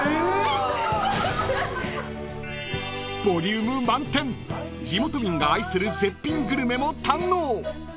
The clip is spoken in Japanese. ［ボリューム満点地元民が愛する絶品グルメも堪能］